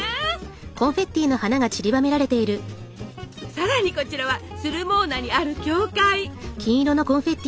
さらにこちらはスルモーナにある教会！